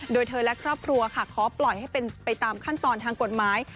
โดยเธอและครอบครัวค่ะขอปล่อยให้เป็นไปตามขั้นตอนทางกฎหมาย